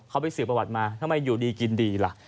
เขาไปสื่อประวัติมาทำไมอยู่ดีกินดีล่ะ